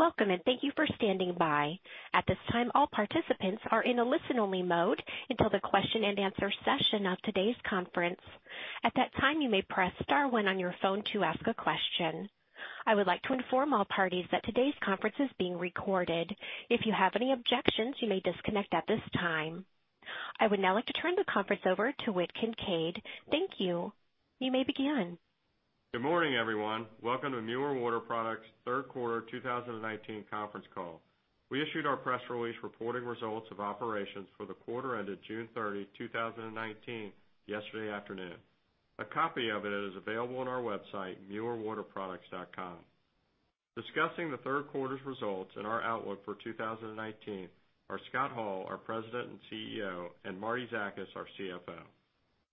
Welcome, and thank you for standing by. At this time, all participants are in a listen-only mode until the question and answer session of today's conference. At that time, you may press star one on your phone to ask a question. I would like to inform all parties that today's conference is being recorded. If you have any objections, you may disconnect at this time. I would now like to turn the conference over to Whit Kincaid. Thank you. You may begin. Good morning, everyone. Welcome to Mueller Water Products' third quarter 2019 conference call. We issued our press release reporting results of operations for the quarter ended June 30, 2019 yesterday afternoon. A copy of it is available on our website, muellerwaterproducts.com. Discussing the third quarter's results and our outlook for 2019 are Scott Hall, our President and CEO, and Martie Zakas, our CFO.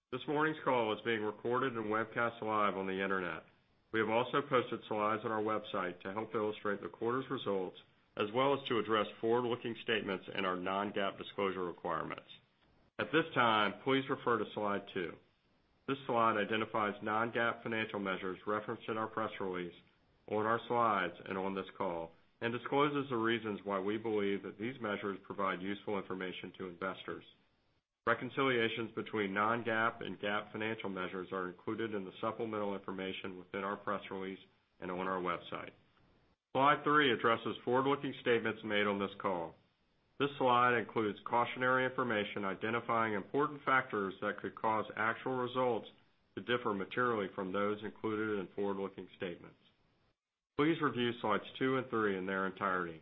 This morning's call is being recorded and webcast live on the Internet. We have also posted slides on our website to help illustrate the quarter's results, as well as to address forward-looking statements and our non-GAAP disclosure requirements. At this time, please refer to slide two. This slide identifies non-GAAP financial measures referenced in our press release, on our slides, and on this call, and discloses the reasons why we believe that these measures provide useful information to investors. Reconciliations between non-GAAP and GAAP financial measures are included in the supplemental information within our press release and on our website. Slide three addresses forward-looking statements made on this call. This slide includes cautionary information identifying important factors that could cause actual results to differ materially from those included in forward-looking statements. Please review slides two and three in their entirety.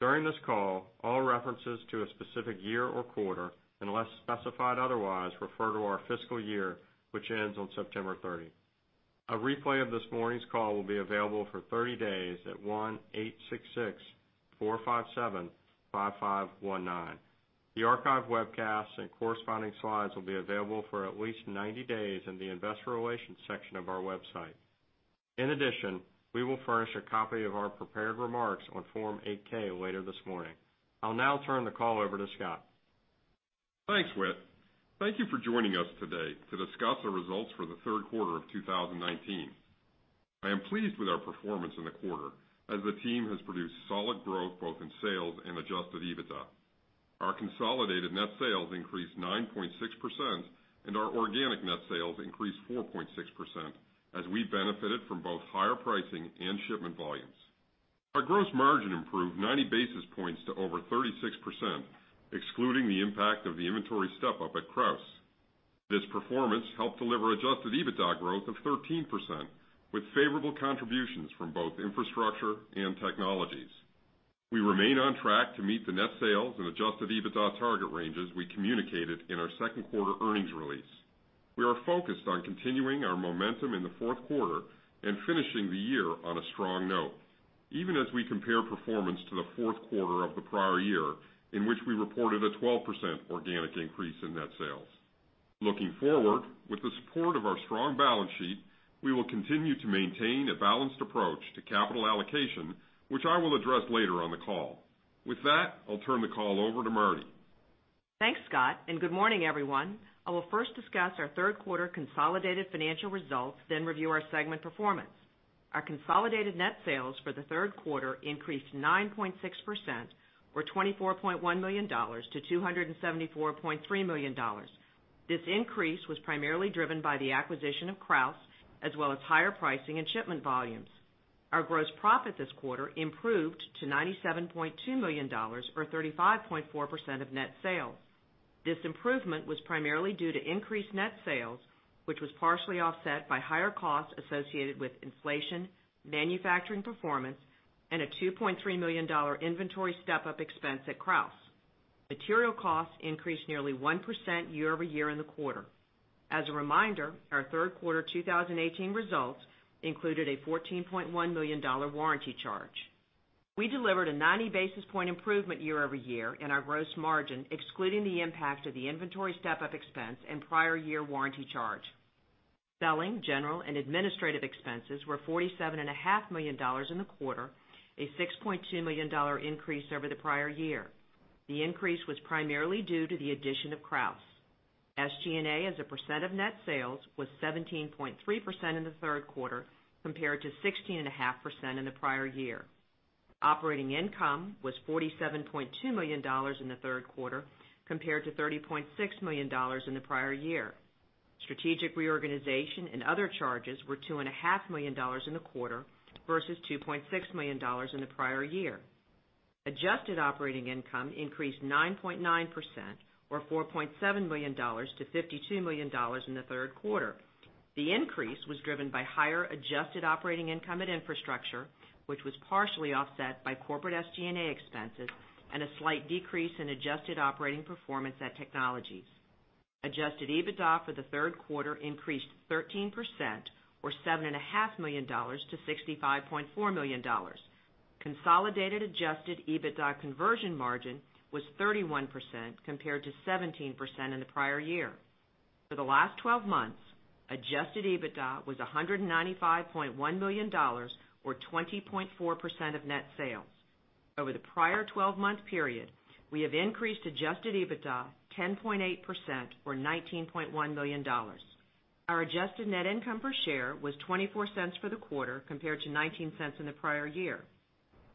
During this call, all references to a specific year or quarter, unless specified otherwise, refer to our fiscal year, which ends on September 30. A replay of this morning's call will be available for 30 days at 1-866-457-5519. The archived webcasts and corresponding slides will be available for at least 90 days in the Investor Relations section of our website. In addition, we will furnish a copy of our prepared remarks on Form 8-K later this morning. I'll now turn the call over to Scott. Thanks, Whit. Thank you for joining us today to discuss our results for the third quarter of 2019. I am pleased with our performance in the quarter, as the team has produced solid growth both in sales and adjusted EBITDA. Our consolidated net sales increased 9.6%, and our organic net sales increased 4.6% as we benefited from both higher pricing and shipment volumes. Our gross margin improved 90 basis points to over 36%, excluding the impact of the inventory step-up at Krausz. This performance helped deliver adjusted EBITDA growth of 13%, with favorable contributions from both infrastructure and technologies. We remain on track to meet the net sales and adjusted EBITDA target ranges we communicated in our second quarter earnings release. We are focused on continuing our momentum in the fourth quarter and finishing the year on a strong note, even as we compare performance to the fourth quarter of the prior year, in which we reported a 12% organic increase in net sales. Looking forward, with the support of our strong balance sheet, we will continue to maintain a balanced approach to capital allocation, which I will address later on the call. With that, I'll turn the call over to Marty. Thanks, Scott, and good morning, everyone. I will first discuss our third-quarter consolidated financial results, then review our segment performance. Our consolidated net sales for the third quarter increased 9.6%, or $24.1 million to $274.3 million. This increase was primarily driven by the acquisition of Krausz, as well as higher pricing and shipment volumes. Our gross profit this quarter improved to $97.2 million, or 35.4% of net sales. This improvement was primarily due to increased net sales, which was partially offset by higher costs associated with inflation, manufacturing performance, and a $2.3 million inventory step-up expense at Krausz. Material costs increased nearly 1% year-over-year in the quarter. As a reminder, our third quarter 2018 results included a $14.1 million warranty charge. We delivered a 90-basis-point improvement year-over-year in our gross margin, excluding the impact of the inventory step-up expense and prior year warranty charge. Selling, general, and administrative expenses were $47.5 million in the quarter, a $6.2 million increase over the prior year. The increase was primarily due to the addition of Krausz. SG&A as a percent of net sales was 17.3% in the third quarter, compared to 16.5% in the prior year. Operating income was $47.2 million in the third quarter, compared to $30.6 million in the prior year. Strategic reorganization and other charges were $2.5 million in the quarter versus $2.6 million in the prior year. Adjusted operating income increased 9.9%, or $4.7 million to $52 million in the third quarter. The increase was driven by higher adjusted operating income at Infrastructure, which was partially offset by corporate SG&A expenses and a slight decrease in adjusted operating performance at Technologies. Adjusted EBITDA for the third quarter increased 13%, or $7.5 million to $65.4 million. Consolidated adjusted EBITDA conversion margin was 31%, compared to 17% in the prior year. For the last 12 months, adjusted EBITDA was $195.1 million, or 20.4% of net sales. Over the prior 12-month period, we have increased adjusted EBITDA 10.8%, or $19.1 million. Our adjusted net income per share was $0.24 for the quarter compared to $0.19 in the prior year.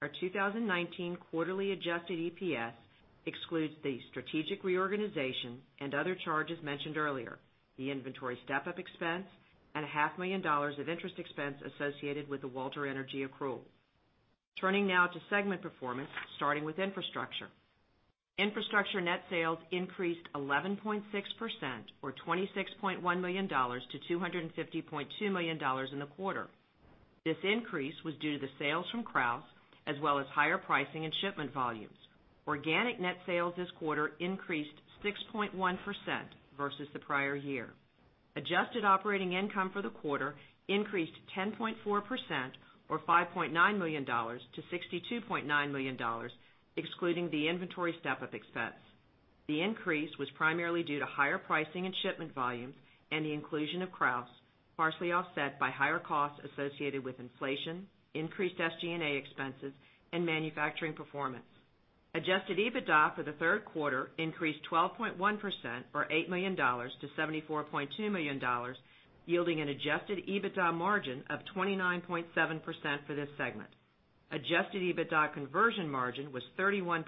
Our 2019 quarterly adjusted EPS excludes the strategic reorganization and other charges mentioned earlier, the inventory step-up expense, and a half million dollars of interest expense associated with the Walter Energy accrual. Turning now to segment performance, starting with infrastructure. Infrastructure net sales increased 11.6%, or $26.1 million, to $250.2 million in the quarter. This increase was due to the sales from Krausz as well as higher pricing and shipment volumes. Organic net sales this quarter increased 6.1% versus the prior year. Adjusted operating income for the quarter increased 10.4%, or $5.9 million, to $62.9 million, excluding the inventory step-up expense. The increase was primarily due to higher pricing and shipment volumes and the inclusion of Krausz, partially offset by higher costs associated with inflation, increased SG&A expenses, and manufacturing performance. Adjusted EBITDA for the third quarter increased 12.1%, or $8 million, to $74.2 million, yielding an adjusted EBITDA margin of 29.7% for this segment. Adjusted EBITDA conversion margin was 31%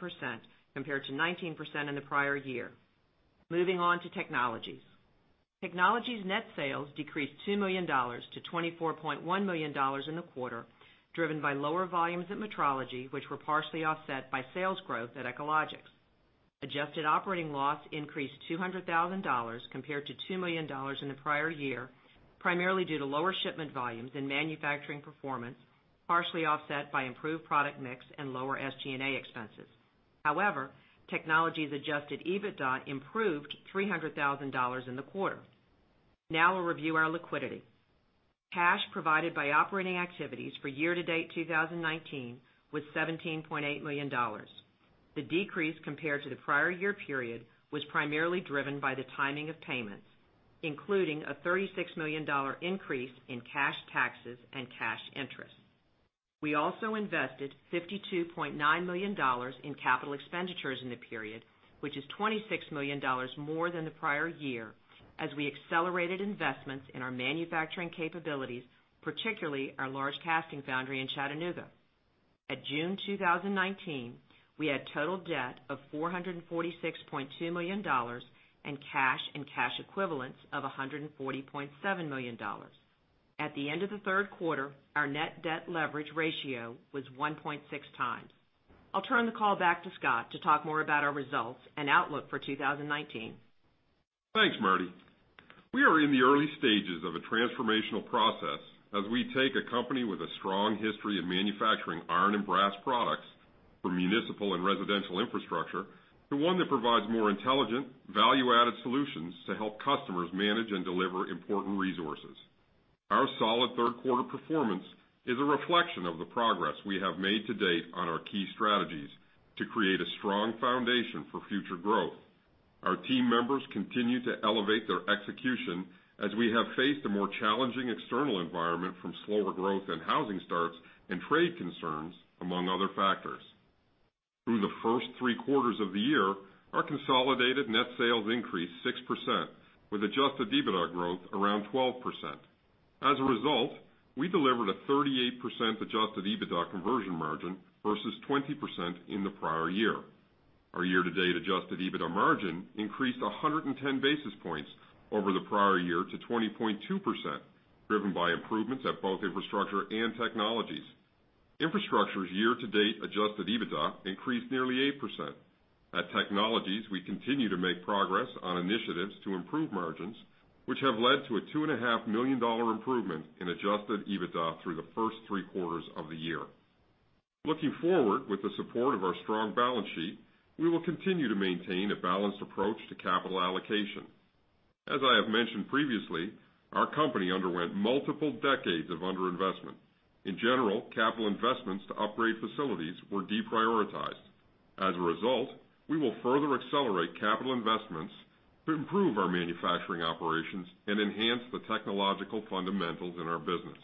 compared to 19% in the prior year. Moving on to Technologies. Technologies net sales decreased $2 million to $24.1 million in the quarter, driven by lower volumes at Metrology, which were partially offset by sales growth at Echologics. Adjusted operating loss increased $200,000 compared to $2 million in the prior year, primarily due to lower shipment volumes and manufacturing performance, partially offset by improved product mix and lower SG&A expenses. However, Echologics adjusted EBITDA improved $300,000 in the quarter. Now we'll review our liquidity. Cash provided by operating activities for year-to-date 2019 was $17.8 million. The decrease compared to the prior year period was primarily driven by the timing of payments, including a $36 million increase in cash taxes and cash interest. We also invested $52.9 million in capital expenditures in the period, which is $26 million more than the prior year, as we accelerated investments in our manufacturing capabilities, particularly our large casting foundry in Chattanooga. At June 2019, we had total debt of $446.2 million and cash and cash equivalents of $140.7 million. At the end of the third quarter, our net debt leverage ratio was 1.6 times. I'll turn the call back to Scott to talk more about our results and outlook for 2019. Thanks, Martie. We are in the early stages of a transformational process as we take a company with a strong history of manufacturing iron and brass products for municipal and residential infrastructure to one that provides more intelligent, value-added solutions to help customers manage and deliver important resources. Our solid third quarter performance is a reflection of the progress we have made to date on our key strategies to create a strong foundation for future growth. Our team members continue to elevate their execution as we have faced a more challenging external environment from slower growth in housing starts and trade concerns, among other factors. Through the first three quarters of the year, our consolidated net sales increased 6%, with adjusted EBITDA growth around 12%. As a result, we delivered a 38% adjusted EBITDA conversion margin versus 20% in the prior year. Our year-to-date adjusted EBITDA margin increased 110 basis points over the prior year to 20.2%, driven by improvements at both infrastructure and technologies. Infrastructure's year-to-date adjusted EBITDA increased nearly 8%. At technologies, we continue to make progress on initiatives to improve margins, which have led to a $2.5 million improvement in adjusted EBITDA through the first three quarters of the year. Looking forward, with the support of our strong balance sheet, we will continue to maintain a balanced approach to capital allocation. As I have mentioned previously, our company underwent multiple decades of underinvestment. In general, capital investments to upgrade facilities were deprioritized. As a result, we will further accelerate capital investments to improve our manufacturing operations and enhance the technological fundamentals in our business.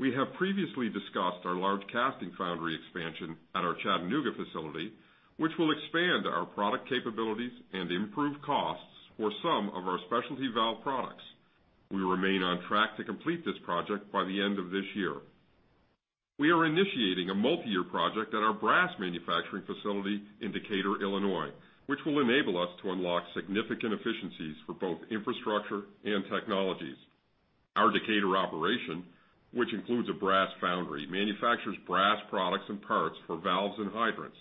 We have previously discussed our large casting foundry expansion at our Chattanooga facility, which will expand our product capabilities and improve costs for some of our specialty valve products. We remain on track to complete this project by the end of this year. We are initiating a multi-year project at our brass manufacturing facility in Decatur, Illinois, which will enable us to unlock significant efficiencies for both infrastructure and technologies. Our Decatur operation, which includes a brass foundry, manufactures brass products and parts for valves and hydrants.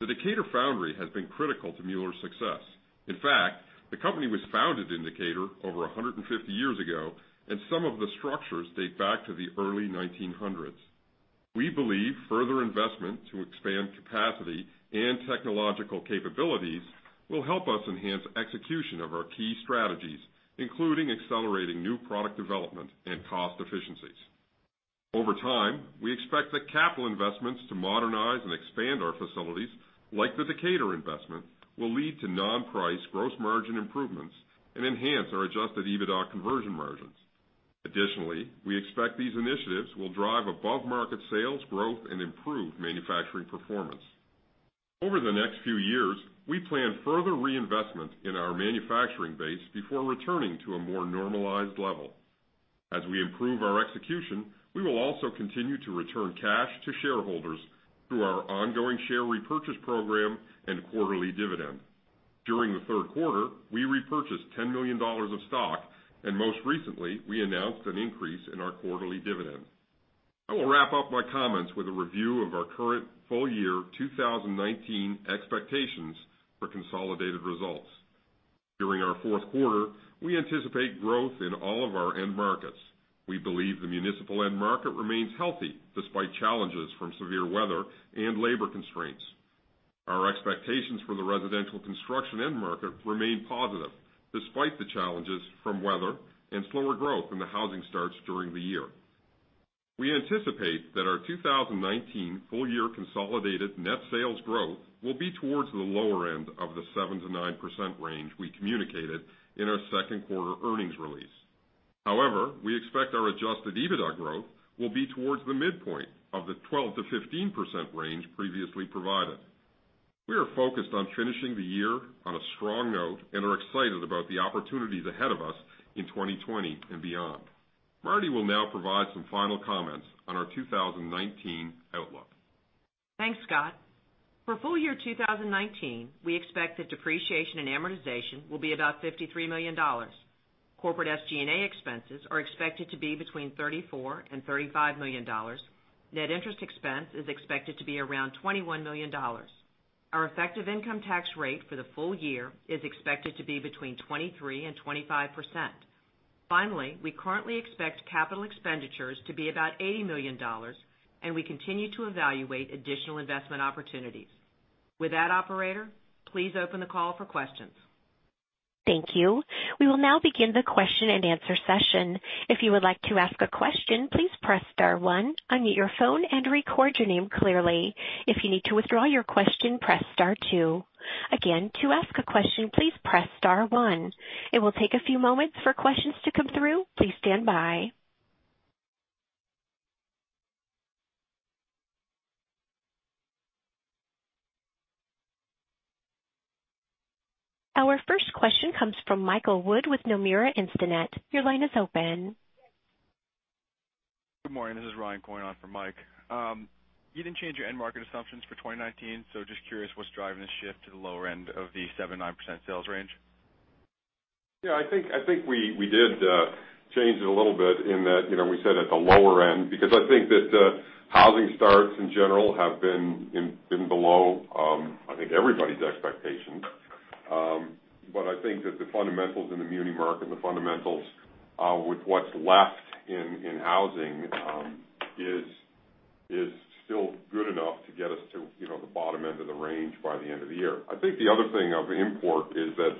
The Decatur foundry has been critical to Mueller's success. In fact, the company was founded in Decatur over 150 years ago, and some of the structures date back to the early 1900s. We believe further investment to expand capacity and technological capabilities will help us enhance execution of our key strategies, including accelerating new product development and cost efficiencies. Over time, we expect that capital investments to modernize and expand our facilities, like the Decatur investment, will lead to non-price gross margin improvements and enhance our adjusted EBITDA conversion margins. Additionally, we expect these initiatives will drive above-market sales growth and improve manufacturing performance. Over the next few years, we plan further reinvestment in our manufacturing base before returning to a more normalized level. As we improve our execution, we will also continue to return cash to shareholders through our ongoing share repurchase program and quarterly dividend. During the third quarter, we repurchased $10 million of stock, and most recently, we announced an increase in our quarterly dividend. I will wrap up my comments with a review of our current full-year 2019 expectations for consolidated results. During our fourth quarter, we anticipate growth in all of our end markets. We believe the municipal end market remains healthy despite challenges from severe weather and labor constraints. Our expectations for the residential construction end market remain positive despite the challenges from weather and slower growth in the housing starts during the year. We anticipate that our 2019 full-year consolidated net sales growth will be towards the lower end of the 7%-9% range we communicated in our second quarter earnings release. We expect our adjusted EBITDA growth will be towards the midpoint of the 12%-15% range previously provided. We are focused on finishing the year on a strong note and are excited about the opportunities ahead of us in 2020 and beyond. Martie will now provide some final comments on our 2019 outlook. Thanks, Scott. For full-year 2019, we expect that depreciation and amortization will be about $53 million. Corporate SG&A expenses are expected to be between $34 million and $35 million. Net interest expense is expected to be around $21 million. Our effective income tax rate for the full year is expected to be between 23% and 25%. Finally, we currently expect capital expenditures to be about $80 million, and we continue to evaluate additional investment opportunities. With that, operator, please open the call for questions. Thank you. We will now begin the question and answer session. If you would like to ask a question, please press star one, unmute your phone, and record your name clearly. If you need to withdraw your question, press star two. Again, to ask a question, please press star one. It will take a few moments for questions to come through. Please stand by. Our first question comes from Michael Wood with Nomura Instinet. Your line is open. Good morning. This is Ryan going on for Mike. You didn't change your end market assumptions for 2019. Just curious what's driving the shift to the lower end of the 7%-9% sales range? Yeah, I think we did change it a little bit in that we said at the lower end, because I think that housing starts in general have been below everybody's expectations. I think that the fundamentals in the muni market, the fundamentals with what's left in housing, is still good enough to get us to the bottom end of the range by the end of the year. I think the other thing of import is that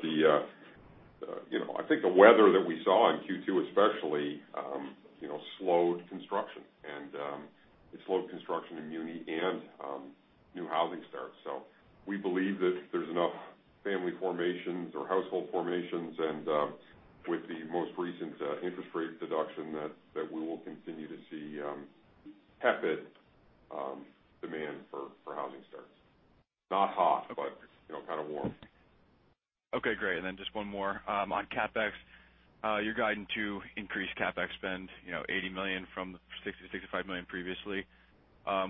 I think the weather that we saw in Q2 especially slowed construction, and it slowed construction in muni and new housing starts. We believe that there's enough family formations or household formations, and with the most recent interest rate deduction, that we will continue to see tepid demand for housing starts. Not hot, but kind of warm. Okay, great. Just one more. On CapEx, you're guiding to increase CapEx spend, $80 million from $60 million-$65 million previously.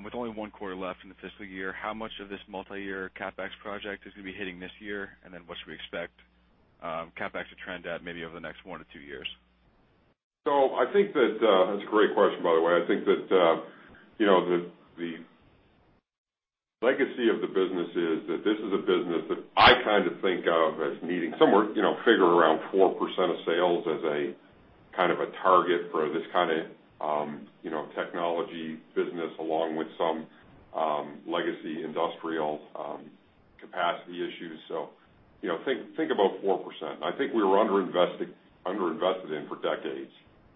With only one quarter left in the fiscal year, how much of this multi-year CapEx project is going to be hitting this year? What should we expect CapEx to trend at maybe over the next one to two years? That's a great question, by the way. I think that the legacy of the business is that this is a business that I think of as needing somewhere figure around 4% of sales as a target for this kind of technology business, along with some legacy industrial capacity issues. Think about 4%. I think we were under-invested in for decades,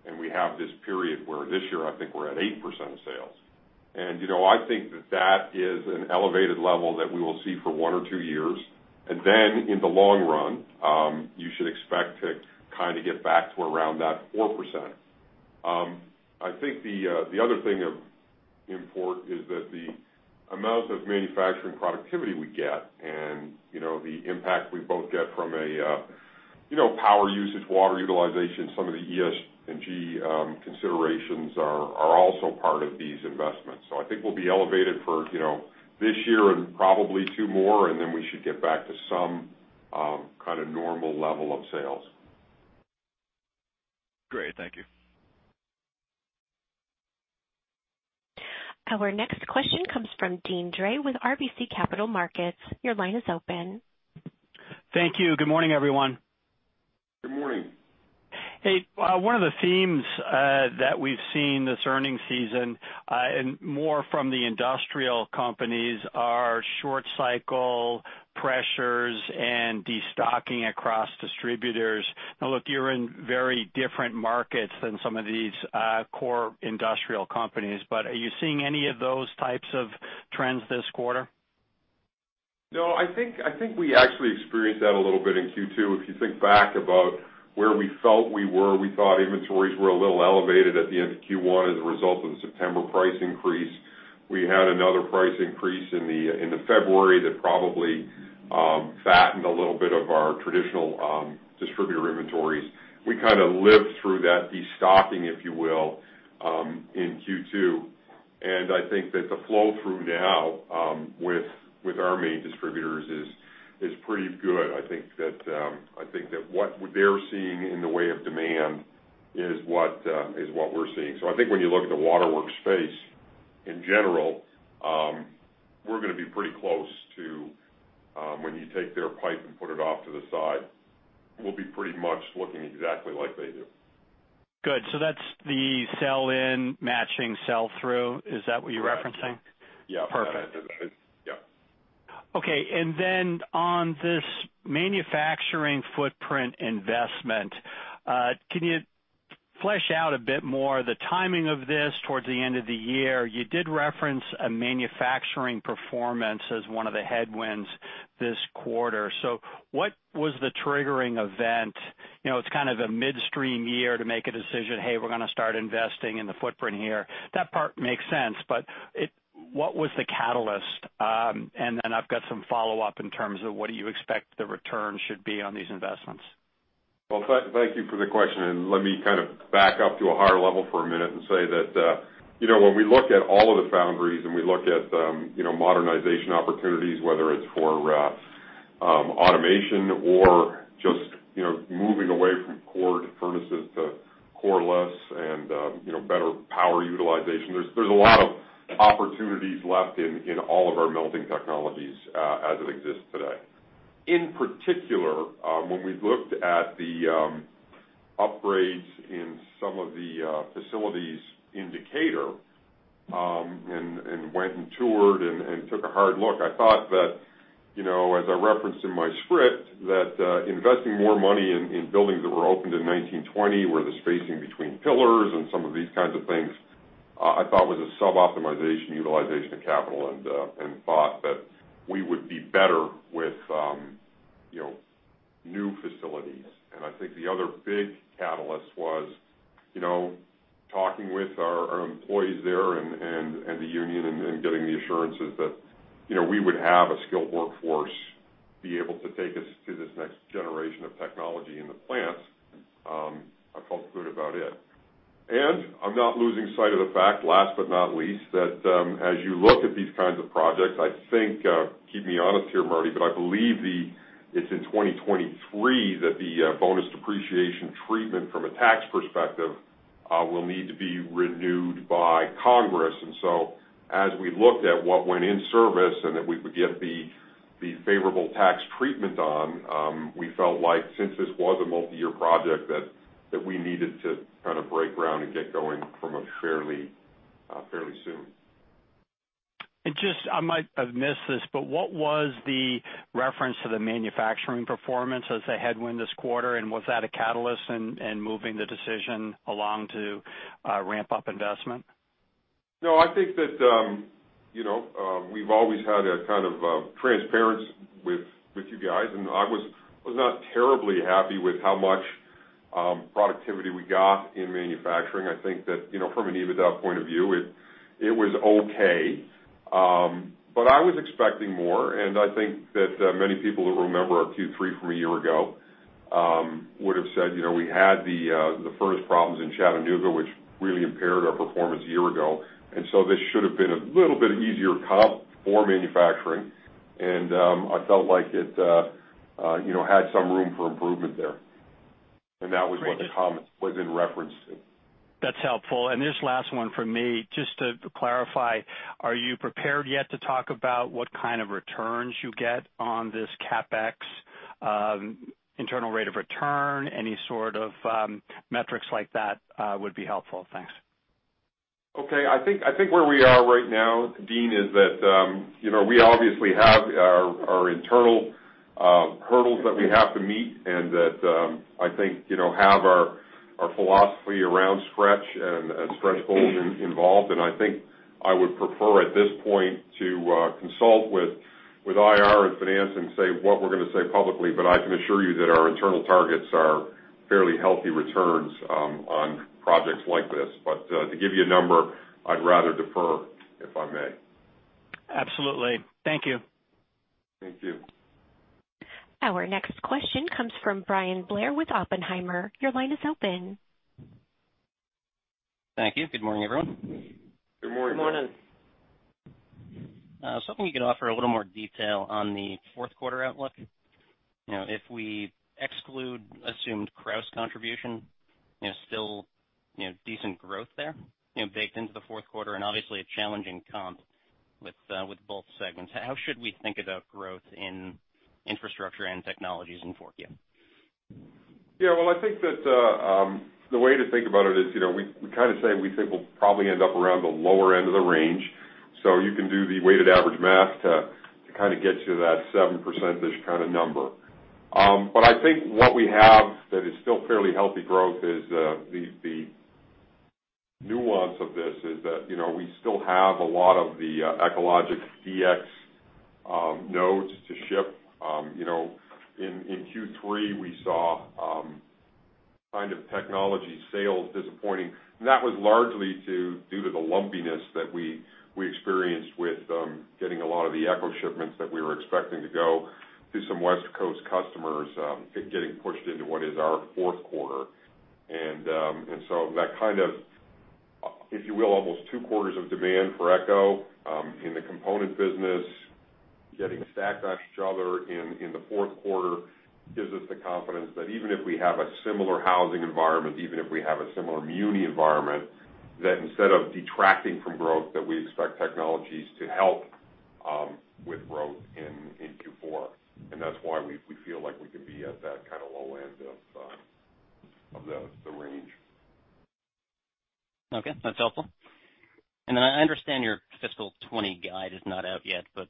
and we have this period where this year I think we're at 8% of sales. I think that that is an elevated level that we will see for one or two years. Then in the long run, you should expect to get back to around that 4%. I think the other thing of import is that the amount of manufacturing productivity we get and the impact we both get from a power usage, water utilization, some of the ESG considerations are also part of these investments. I think we'll be elevated for this year and probably two more, and then we should get back to some normal level of sales. Great. Thank you. Our next question comes from Deane Dray with RBC Capital Markets. Your line is open. Thank you. Good morning, everyone. Good morning. Hey, one of the themes that we've seen this earnings season, and more from the industrial companies, are short cycle pressures and destocking across distributors. Now, look, you're in very different markets than some of these core industrial companies, but are you seeing any of those types of trends this quarter? No, I think we actually experienced that a little bit in Q2. If you think back about where we felt we were, we thought inventories were a little elevated at the end of Q1 as a result of the September price increase. We had another price increase in the February that probably fattened a little bit of our traditional distributor inventories. We kind of lived through that de-stocking, if you will, in Q2. I think that the flow-through now with our main distributors is pretty good. I think that what they're seeing in the way of demand is what we're seeing. I think when you look at the waterworks space in general, we're going to be pretty close to when you take their pipe and put it off to the side, we'll be pretty much looking exactly like they do. Good. That's the sell in matching sell through, is that what you're referencing? Correct. Yeah. Perfect. Yeah. Okay. On this manufacturing footprint investment, can you flesh out a bit more the timing of this towards the end of the year? You did reference a manufacturing performance as one of the headwinds this quarter. What was the triggering event? It's kind of a midstream year to make a decision, "Hey, we're going to start investing in the footprint here." That part makes sense, but what was the catalyst? I've got some follow-up in terms of what do you expect the return should be on these investments? Thank you for the question, and let me kind of back up to a higher level for a minute and say that when we look at all of the foundries and we look at modernization opportunities, whether it's for automation or just moving away from cored furnaces to coreless and better power utilization, there's a lot of opportunities left in all of our melting technologies as it exists today. In particular, when we looked at the upgrades in some of the facilities in Decatur and went and toured and took a hard look, I thought that as I referenced in my script, that investing more money in buildings that were opened in 1920, where the spacing between pillars and some of these kinds of things, I thought was a sub-optimization utilization of capital and thought that we would be better with new facilities. I think the other big catalyst was talking with our employees there and the union and getting the assurances that we would have a skilled workforce be able to take us to this next generation of technology in the plants. I felt good about it. I'm not losing sight of the fact, last but not least, that as you look at these kinds of projects, I think, keep me honest here, Martie, but I believe it's in 2023 that the bonus depreciation treatment from a tax perspective will need to be renewed by Congress. As we looked at what went in service and that we would get the favorable tax treatment on, we felt like since this was a multi-year project, that we needed to kind of break ground and get going from a fairly soon. Just, I might have missed this, what was the reference to the manufacturing performance as a headwind this quarter, and was that a catalyst in moving the decision along to ramp up investment? No, I think that we've always had a kind of transparency with you guys, and I was not terribly happy with how much productivity we got in manufacturing. I think that from an EBITDA point of view, it was okay. I was expecting more, and I think that many people that remember our Q3 from a year ago would have said we had the furnace problems in Chattanooga, which really impaired our performance a year ago. This should have been a little bit easier comp for manufacturing. I felt like it had some room for improvement there. That was what the comment was in reference to. That's helpful. This last one from me, just to clarify, are you prepared yet to talk about what kind of returns you get on this CapEx? Internal rate of return, any sort of metrics like that would be helpful. Thanks. Okay. I think where we are right now, Deane, is that we obviously have our internal hurdles that we have to meet, and that I think have our philosophy around stretch and stretch goals involved. I think I would prefer at this point to consult with IR and finance and say what we're going to say publicly. I can assure you that our internal targets are fairly healthy returns on projects like this. To give you a number, I'd rather defer, if I may. Absolutely. Thank you. Thank you. Our next question comes from Bryan Blair with Oppenheimer. Your line is open. Thank you. Good morning, everyone. Good morning. Good morning. Hoping you could offer a little more detail on the fourth quarter outlook. If we exclude assumed Krausz contribution, still decent growth there baked into the fourth quarter and obviously a challenging comp with both segments. How should we think about growth in infrastructure and technologies in 4Q? Well, I think that the way to think about it is, we kind of say we think we'll probably end up around the lower end of the range, so you can do the weighted average math to kind of get to that 7% kind of number. I think what we have that is still fairly healthy growth is the nuance of this is that we still have a lot of the Echologics DX nodes to ship. In Q3, we saw technology sales disappointing, and that was largely due to the lumpiness that we experienced with getting a lot of the Echo shipments that we were expecting to go to some West Coast customers, getting pushed into what is our fourth quarter. That kind of, if you will, almost two quarters of demand for Echologics in the component business getting stacked on each other in the fourth quarter gives us the confidence that even if we have a similar housing environment, even if we have a similar muni environment, that instead of detracting from growth, that we expect technologies to help with growth in Q4. That's why we feel like we can be at that low end of the range. Okay, that's helpful. I understand your fiscal 2020 guide is not out yet, but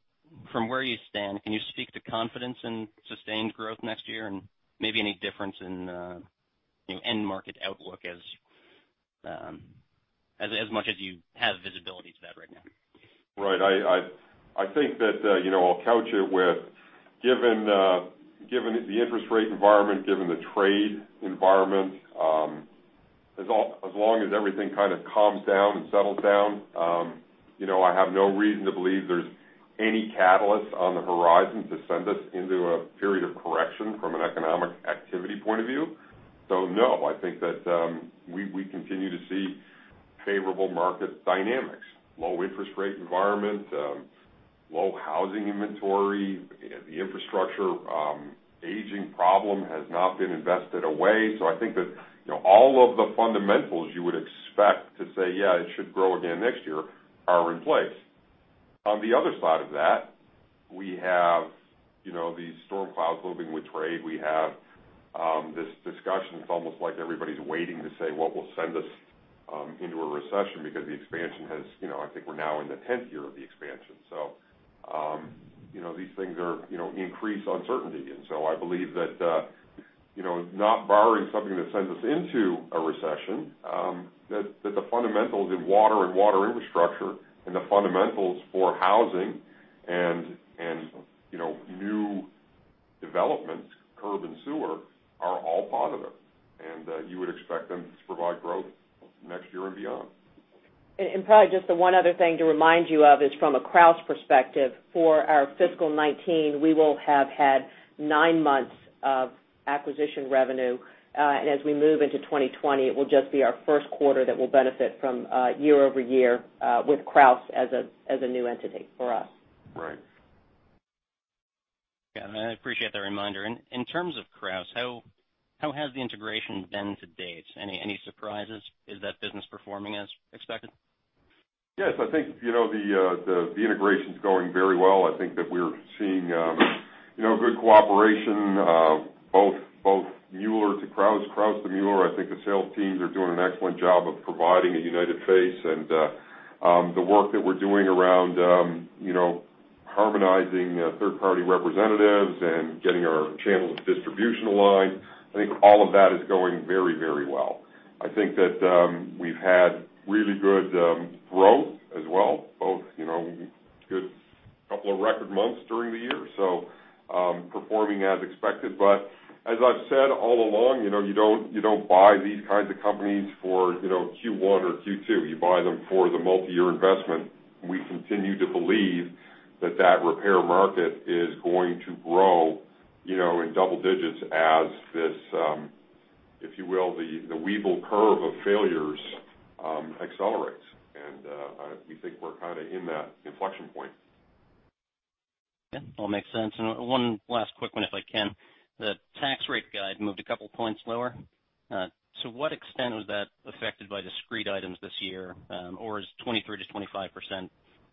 from where you stand, can you speak to confidence in sustained growth next year and maybe any difference in end market outlook as much as you have visibility to that right now? Right. I think that I'll couch it with, given the interest rate environment, given the trade environment, as long as everything calms down and settles down, I have no reason to believe there's any catalyst on the horizon to send us into a period of correction from an economic activity point of view. No, I think that we continue to see favorable market dynamics. Low interest rate environment, low housing inventory. The infrastructure aging problem has not been invested away. I think that all of the fundamentals you would expect to say, "Yeah, it should grow again next year," are in place. On the other side of that, we have these storm clouds looming with trade. We have this discussion. It's almost like everybody's waiting to say what will send us into a recession because I think we're now in the 10th year of the expansion. These things increase uncertainty. I believe that it's not barring something that sends us into a recession, that the fundamentals in water and water infrastructure and the fundamentals for housing and new developments, curb and sewer, are all positive, and you would expect them to provide growth next year and beyond. Probably just the one other thing to remind you of is from a Krausz perspective, for our fiscal 2019, we will have had nine months of acquisition revenue. As we move into 2020, it will just be our first quarter that will benefit from year-over-year with Krausz as a new entity for us. Right. Yeah. I appreciate that reminder. In terms of Krausz, how has the integration been to date? Any surprises? Is that business performing as expected? Yes, I think, the integration's going very well. I think that we're seeing good cooperation, both Mueller to Krausz to Mueller. I think the sales teams are doing an excellent job of providing a united face and the work that we're doing around harmonizing third party representatives and getting our channels of distribution aligned. I think all of that is going very well. I think that we've had really good growth as well, both good couple of record months during the year, so performing as expected. As I've said all along, you don't buy these kinds of companies for Q1 or Q2. You buy them for the multi-year investment. We continue to believe that that repair market is going to grow in double digits as this, if you will, the Weibull curve of failures accelerates. We think we're in that inflection point. Yeah. All makes sense. One last quick one, if I can. The tax rate guide moved a couple points lower. To what extent was that affected by discrete items this year? Is 23%-25%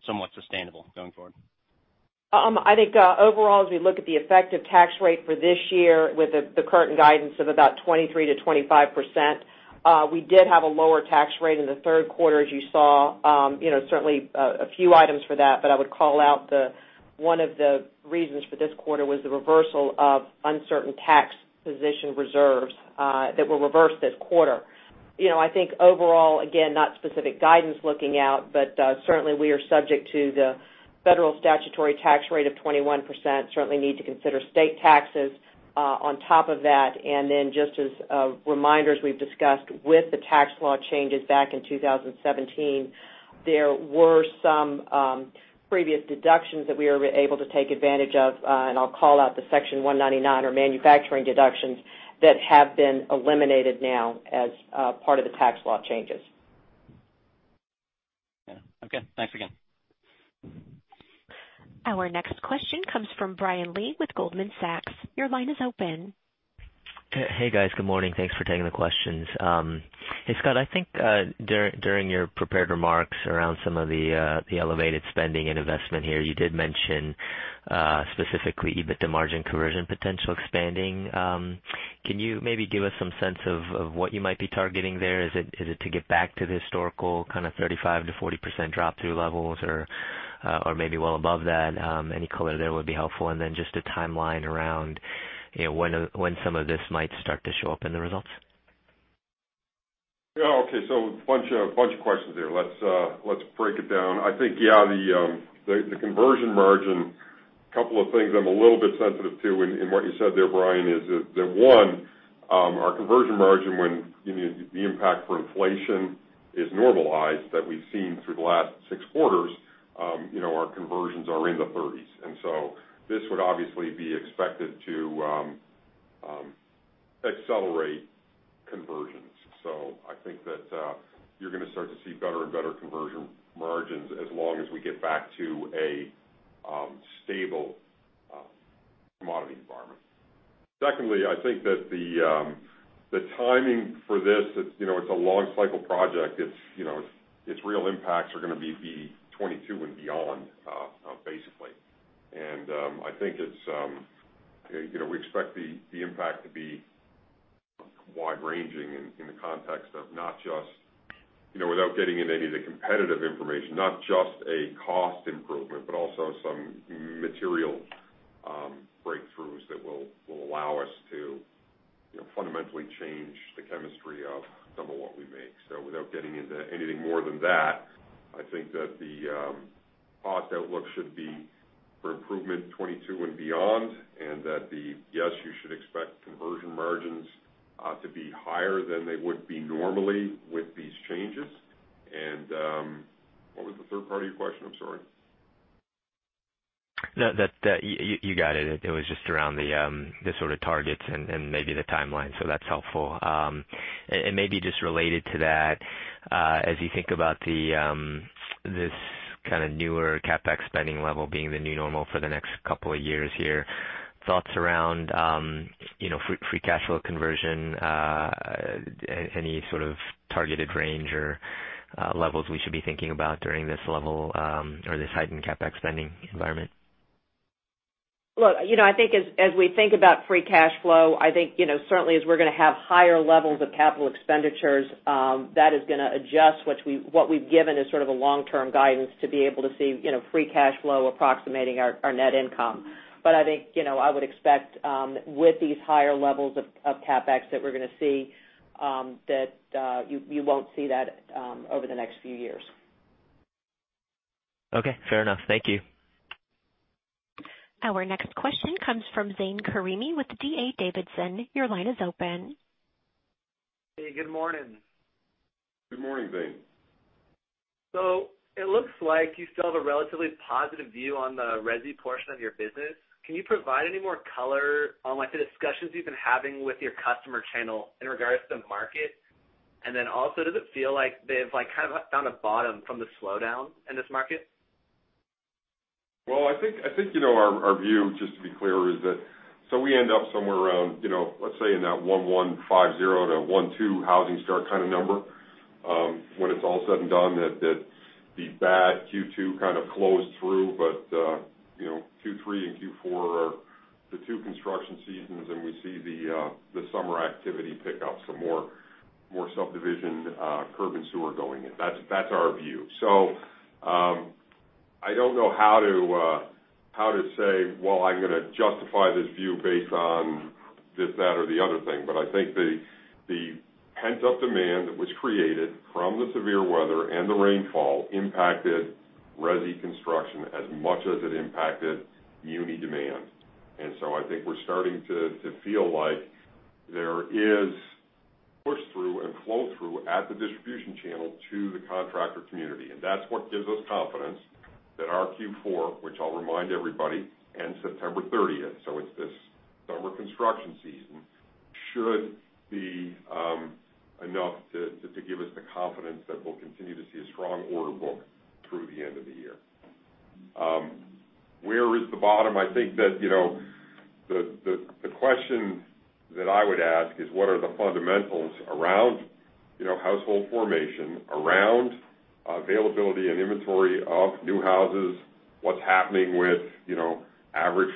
somewhat sustainable going forward? I think, overall, as we look at the effective tax rate for this year with the current guidance of about 23%-25%, we did have a lower tax rate in the third quarter, as you saw. A few items for that, but I would call out one of the reasons for this quarter was the reversal of uncertain tax position reserves that were reversed this quarter. I think overall, again, not specific guidance looking out, but certainly we are subject to the federal statutory tax rate of 21%. Need to consider state taxes on top of that. Just as reminders we've discussed with the tax law changes back in 2017, there were some previous deductions that we were able to take advantage of. I'll call out the Section 199 or manufacturing deductions that have been eliminated now as part of the tax law changes. Yeah. Okay. Thanks again. Our next question comes from Brian Lee with Goldman Sachs. Your line is open. Hey, guys. Good morning. Thanks for taking the questions. Hey, Scott, I think during your prepared remarks around some of the elevated spending and investment here, you did mention specifically EBITDA margin conversion potential expanding. Can you maybe give us some sense of what you might be targeting there? Is it to get back to the historical kind of 35%-40% drop-through levels or maybe well above that. Any color there would be helpful, and then just a timeline around when some of this might start to show up in the results. Yeah. Okay, a bunch of questions there. Let's break it down. I think, yeah, the conversion margin, couple of things I'm a little bit sensitive to in what you said there, Brian, is that, one, our conversion margin when the impact for inflation is normalized, that we've seen through the last 6 quarters, our conversions are in the 30s. This would obviously be expected to accelerate conversions. I think that you're going to start to see better and better conversion margins as long as we get back to a stable commodity environment. Secondly, I think that the timing for this, it's a long cycle project. Its real impacts are going to be 2022 and beyond, basically. We expect the impact to be wide-ranging in the context of not just Without getting into any of the competitive information, not just a cost improvement, but also some material breakthroughs that will allow us to fundamentally change the chemistry of some of what we make. Without getting into anything more than that, I think that the cost outlook should be for improvement 2022 and beyond, and that the, yes, you should expect conversion margins to be higher than they would be normally with these changes. What was the third part of your question? I'm sorry. No, you got it. It was just around the sort of targets and maybe the timeline. That's helpful. Maybe just related to that, as you think about this kind of newer CapEx spending level being the new normal for the next couple of years here, thoughts around free cash flow conversion, any sort of targeted range or levels we should be thinking about during this level or this heightened CapEx spending environment? Look, as we think about free cash flow, I think certainly as we're going to have higher levels of capital expenditures, that is going to adjust what we've given as sort of a long-term guidance to be able to see free cash flow approximating our net income. I think, I would expect with these higher levels of CapEx, that you won't see that over the next few years. Okay, fair enough. Thank you. Our next question comes from Zane Karimi with D.A. Davidson. Your line is open. Hey, good morning. Good morning, Zane. It looks like you still have a relatively positive view on the resi portion of your business. Can you provide any more color on the discussions you've been having with your customer channel in regards to market? Also, does it feel like they've kind of found a bottom from the slowdown in this market? Well, I think, our view, just to be clear, is that so we end up somewhere around, let's say in that 1,150 to 12 housing start kind of number. When it's all said and done, that the bad Q2 kind of closed through, but Q3 and Q4 are the two construction seasons, and we see the summer activity pick up, so more subdivision curb and sewer going in. That's our view. I don't know how to say, well, I'm gonna justify this view based on this, that, or the other thing, but I think the pent-up demand that was created from the severe weather and the rainfall impacted resi construction as much as it impacted muni demand. I think we're starting to feel like there is push-through and flow-through at the distribution channel to the contractor community, and that's what gives us confidence that our Q4, which I'll remind everybody, ends September 30th, so it's this summer construction season, should be enough to give us the confidence that we'll continue to see a strong order book through the end of the year. Where is the bottom? I think that the question that I would ask is what are the fundamentals around household formation, around availability and inventory of new houses, what's happening with average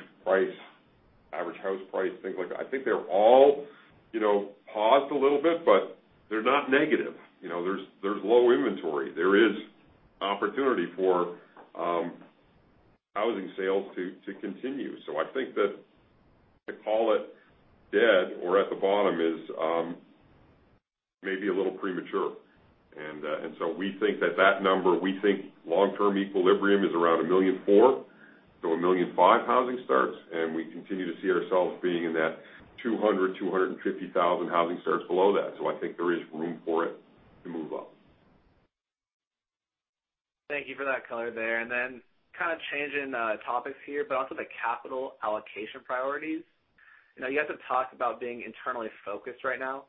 house price, things like that. I think they're all paused a little bit, but they're not negative. There's low inventory. There is opportunity for housing sales to continue. I think that to call it dead or at the bottom is maybe a little premature. We think that that number, we think long-term equilibrium is around 1.4 million-1.5 million housing starts, and we continue to see ourselves being in that 200,000-250,000 housing starts below that. I think there is room for it to move up. Thank you for that color there. Kind of changing topics here, but also the capital allocation priorities. You guys have talked about being internally focused right now,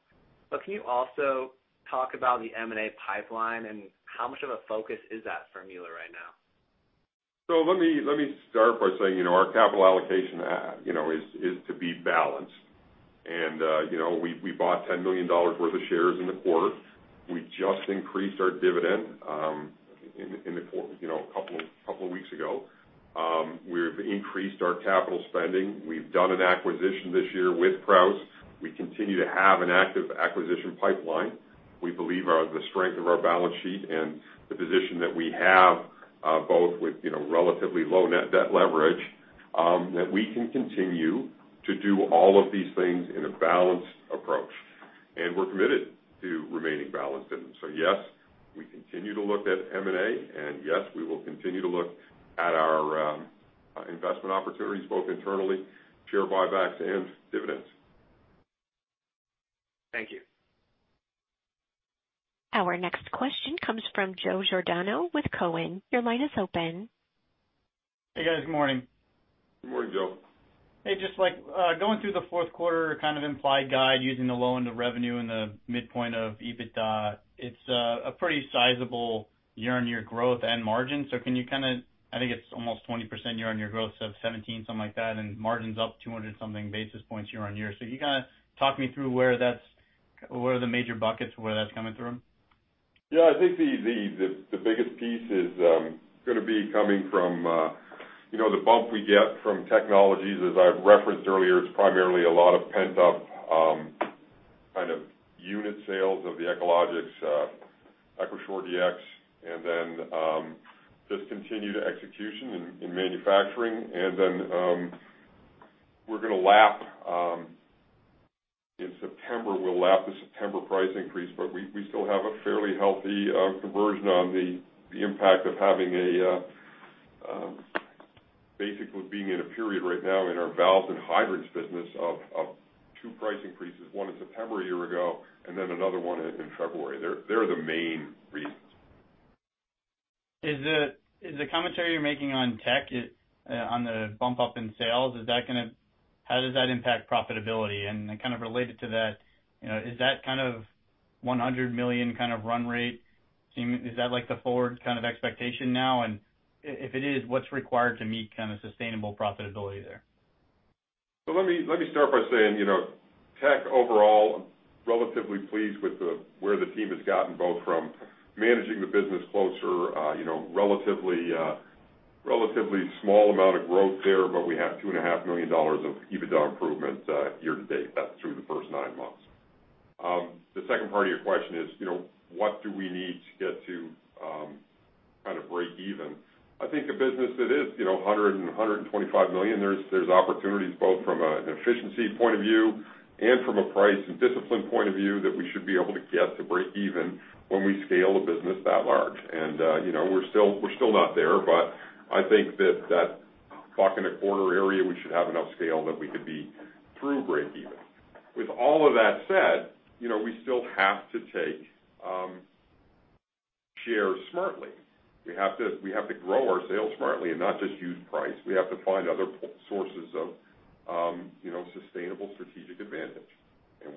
but can you also talk about the M&A pipeline and how much of a focus is that for Mueller right now? Let me start by saying, our capital allocation is to be balanced. We bought $10 million worth of shares in the quarter. We just increased our dividend a couple of weeks ago. We've increased our capital spending. We've done an acquisition this year with Krausz. We continue to have an active acquisition pipeline. We believe the strength of our balance sheet and the position that we have, both with relatively low net debt leverage, that we can continue to do all of these things in a balanced approach. We're committed to remaining balanced in them. Yes, we continue to look at M&A, and yes, we will continue to look at our investment opportunities, both internally, share buybacks, and dividends. Thank you. Our next question comes from Joe Giordano with Cowen. Your line is open. Hey, guys. Morning. Good morning, Joe. Hey, just going through the fourth quarter kind of implied guide using the low end of revenue and the midpoint of EBITDA. It's a pretty sizable year-on-year growth and margin. Can you kind of, I think it's almost 20% year-on-year growth, so 17%, something like that, and margin's up 200 something basis points year-on-year. Can you kind of talk me through where the major buckets, where that's coming from? I think the biggest piece is gonna be coming from the bump we get from technologies. As I've referenced earlier, it's primarily a lot of pent-up kind of unit sales of the Echologics, EchoShore-DX, and then just continued execution in manufacturing. Then we're going to lap in September, we'll lap the September price increase, but we still have a fairly healthy conversion on the impact of having a basically being in a period right now in our valves and hydrants business of two price increases, one in September a year ago, and then another one in February. They're the main reasons. Is the commentary you're making on tech, on the bump up in sales, how does that impact profitability? Then kind of related to that, is that kind of $100 million kind of run rate, is that like the forward kind of expectation now? If it is, what's required to meet kind of sustainable profitability there? Let me start by saying, tech overall, relatively pleased with where the team has gotten, both from managing the business closer, relatively small amount of growth there, but we have $2.5 million of EBITDA improvements year to date. That's through the first nine months. The second part of your question is, what do we need to get to kind of break even? I think a business that is $100 million-$125 million, there's opportunities both from an efficiency point of view and from a price and discipline point of view that we should be able to get to break even when we scale a business that large. We're still not there, but I think that, clocking a quarter area, we should have enough scale that we could be through break even. With all of that said, we still have to take shares smartly. We have to grow our sales smartly and not just use price. We have to find other sources of sustainable strategic advantage.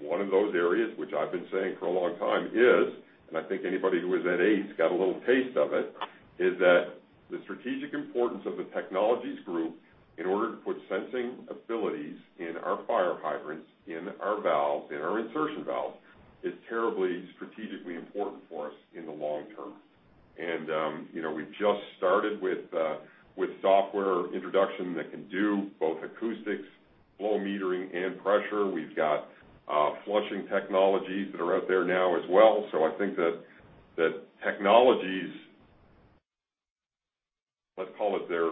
One of those areas, which I've been saying for a long time is, and I think anybody who was at ACE got a little taste of it, is that the strategic importance of the technologies group in order to put sensing abilities in our fire hydrants, in our valves, in our insertion valves, is terribly strategically important for us in the long term. We've just started with software introduction that can do both acoustics, flow metering, and pressure. We've got flushing technologies that are out there now as well. I think that technologies, let's call it their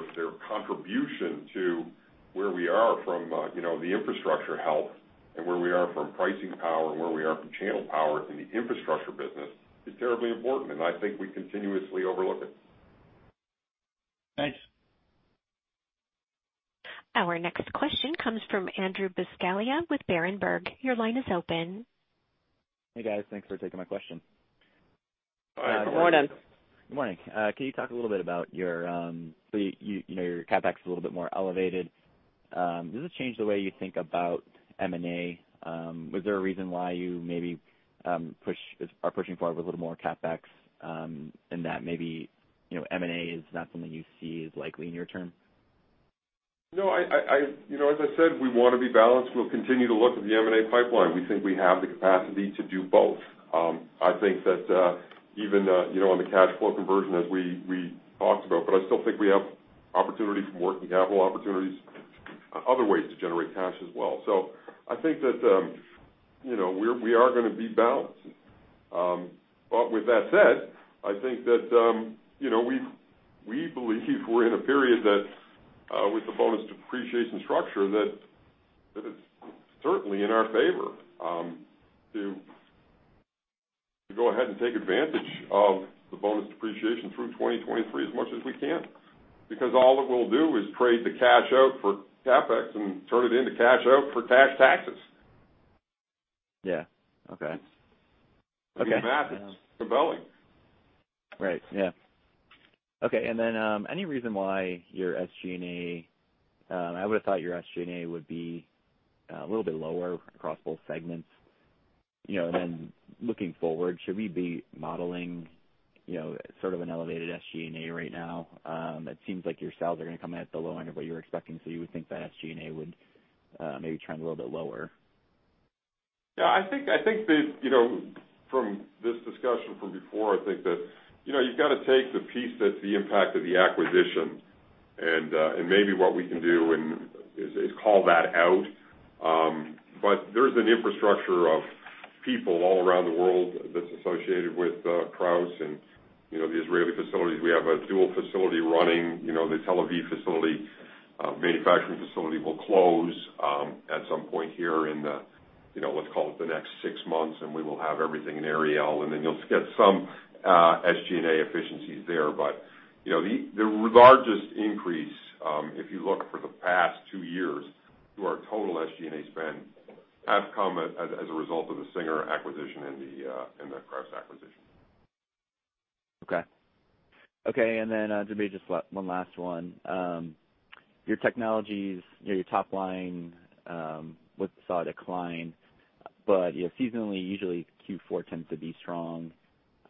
contribution to where we are from the infrastructure health and where we are from pricing power and where we are from channel power in the infrastructure business is terribly important, and I think we continuously overlook it. Thanks. Our next question comes from Andrew Buscaglia with Berenberg. Your line is open. Hey, guys. Thanks for taking my question. Good morning. Good morning. Can you talk a little bit about your CapEx a little bit more elevated? Does it change the way you think about M&A? Was there a reason why you maybe are pushing forward with a little more CapEx, and that maybe, M&A is not something you see as likely near term? No, as I said, we want to be balanced. We'll continue to look at the M&A pipeline. We think we have the capacity to do both. I think that even on the cash flow conversion, as we talked about, I still think we have opportunity from working capital opportunities, other ways to generate cash as well. I think that we are going to be balanced. With that said, I think that we believe we're in a period that, with the bonus depreciation structure, that it's certainly in our favor to go ahead and take advantage of the bonus depreciation through 2023 as much as we can, because all it will do is trade the cash out for CapEx and turn it into cash out for cash taxes. Yeah. Okay. The math is compelling. Right. Yeah. Okay. Any reason why your SG&A, I would've thought your SG&A would be a little bit lower across both segments. Looking forward, should we be modeling sort of an elevated SG&A right now? It seems like your sales are gonna come in at the low end of what you were expecting, so you would think that SG&A would maybe trend a little bit lower. I think from this discussion from before, I think that you've got to take the piece that's the impact of the acquisition, and maybe what we can do is call that out. There's an infrastructure of people all around the world that's associated with Krausz and the Israeli facilities. We have a dual facility running. The Tel Aviv manufacturing facility will close at some point here in the, let's call it the next 6 months, and we will have everything in Ariel, and then you'll get some SG&A efficiencies there. The largest increase, if you look for the past two years to our total SG&A spend, has come as a result of the Singer acquisition and the Krausz acquisition. Okay. Lemme just ask one last one. Your technologies, your top line, we saw a decline, but seasonally, usually Q4 tends to be strong.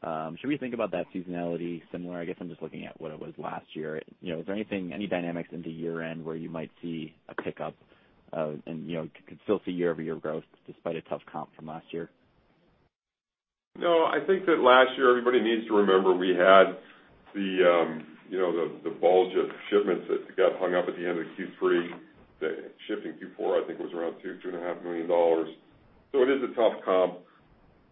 Should we think about that seasonality similar? I guess I'm just looking at what it was last year. Is there any dynamics into year-end where you might see a pickup and could still see year-over-year growth despite a tough comp from last year? No, I think that last year, everybody needs to remember we had the bulge of shipments that got hung up at the end of Q3, that shipped in Q4, I think it was around $2.5 million. It is a tough comp.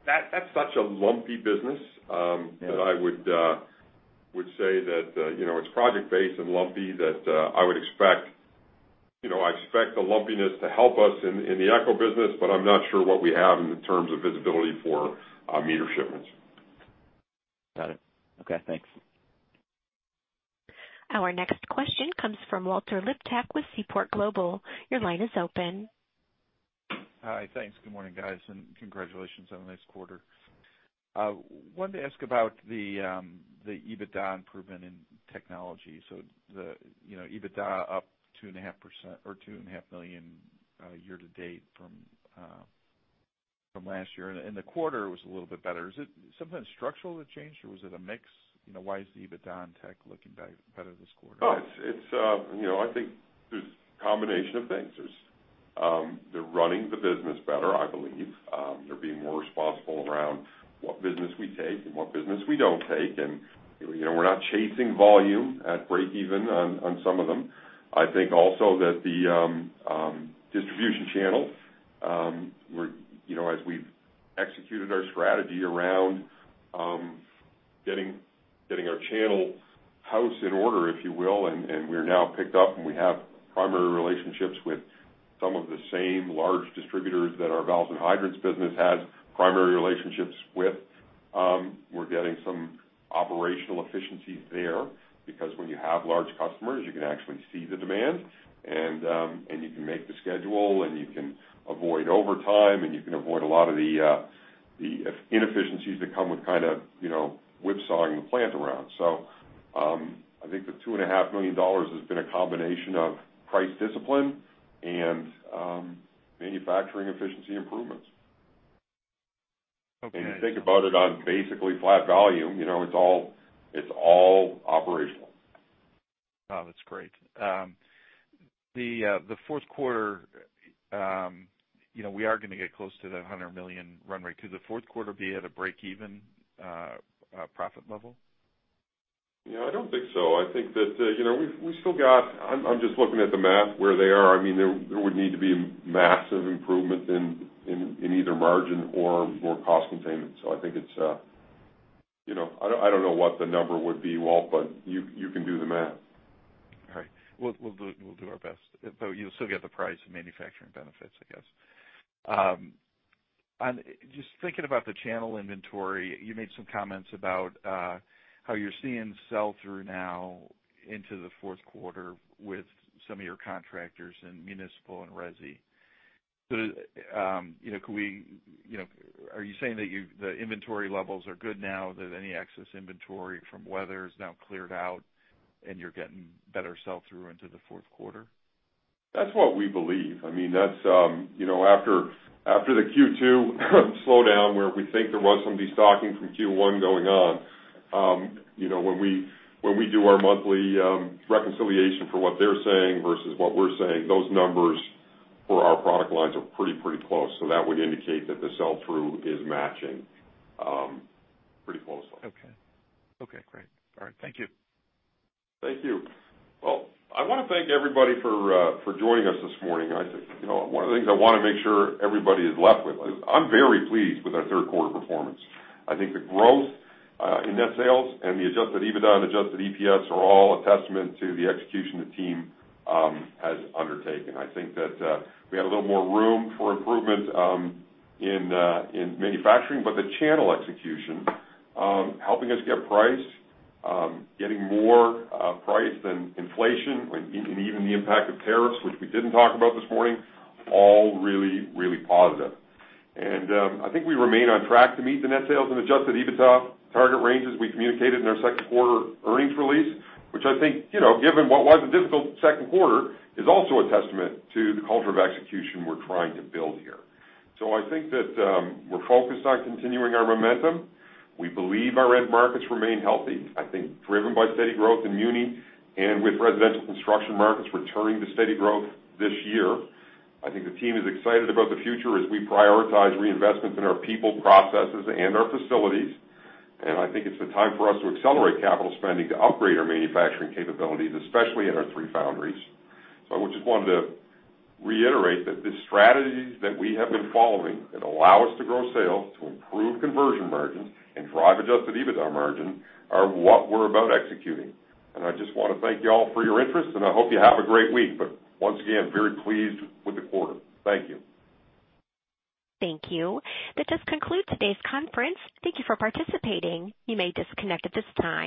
That's such a lumpy business. Yeah I would say that it's project-based and lumpy that I expect the lumpiness to help us in the Echo business, but I'm not sure what we have in terms of visibility for meter shipments. Got it. Okay, thanks. Our next question comes from Walter Liptak with Seaport Global. Your line is open. Hi. Thanks. Good morning, guys, and congratulations on a nice quarter. Wanted to ask about the EBITDA improvement in technology. The EBITDA up 2.5% or $2.5 million year-to-date from last year. The quarter was a little bit better. Is it something structural that changed, or was it a mix? Why is the EBITDA in tech looking better this quarter? I think there's a combination of things. They're running the business better, I believe. They're being more responsible around what business we take and what business we don't take, and we're not chasing volume at breakeven on some of them. I think also that the distribution channel, as we've executed our strategy around getting our channel house in order, if you will, and we're now picked up and we have primary relationships with some of the same large distributors that our valves and hydrants business had primary relationships with. We're getting some operational efficiencies there, because when you have large customers, you can actually see the demand, and you can make the schedule, and you can avoid overtime, and you can avoid a lot of the inefficiencies that come with whipsawing the plant around. I think the $2.5 million has been a combination of price discipline and manufacturing efficiency improvements. Okay. You think about it on basically flat volume. It's all operational. Oh, that's great. The fourth quarter, we are going to get close to the $100 million run rate. Could the fourth quarter be at a break-even profit level? I don't think so. I'm just looking at the math where they are. There would need to be massive improvements in either margin or more cost containment. I don't know what the number would be, Walter, but you can do the math. All right. We'll do our best. You'll still get the price and manufacturing benefits, I guess. Thinking about the channel inventory, you made some comments about how you're seeing sell-through now into the fourth quarter with some of your contractors in municipal and resi. Are you saying that the inventory levels are good now, that any excess inventory from weather is now cleared out, and you're getting better sell-through into the fourth quarter? That's what we believe. After the Q2 slowdown where we think there was some destocking from Q1 going on, when we do our monthly reconciliation for what they're saying versus what we're saying, those numbers for our product lines are pretty close. That would indicate that the sell-through is matching pretty closely. Okay. Great. All right. Thank you. Thank you. I want to thank everybody for joining us this morning. One of the things I want to make sure everybody is left with is I'm very pleased with our third quarter performance. I think the growth in net sales and the adjusted EBITDA and adjusted EPS are all a testament to the execution the team has undertaken. I think that we have a little more room for improvement in manufacturing, but the channel execution, helping us get price, getting more price than inflation, and even the impact of tariffs, which we didn't talk about this morning, all really positive. I think we remain on track to meet the net sales and adjusted EBITDA target ranges we communicated in our second quarter earnings release, which I think, given what was a difficult second quarter, is also a testament to the culture of execution we're trying to build here. I think that we're focused on continuing our momentum. We believe our end markets remain healthy, I think driven by steady growth in muni and with residential construction markets returning to steady growth this year. I think the team is excited about the future as we prioritize reinvestments in our people, processes, and our facilities. I think it's the time for us to accelerate capital spending to upgrade our manufacturing capabilities, especially in our three foundries. I just wanted to reiterate that the strategies that we have been following that allow us to grow sales, to improve conversion margins, and drive adjusted EBITDA margin are what we're about executing. I just want to thank you all for your interest, and I hope you have a great week. Once again, very pleased with the quarter. Thank you. Thank you. That does conclude today's conference. Thank you for participating. You may disconnect at this time.